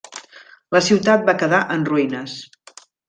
La ciutat va quedar en ruïnes.